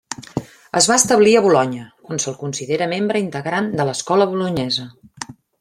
Es va establir a Bolonya, on se'l considera membre integrant de l'Escola Bolonyesa.